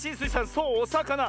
そうおさかな。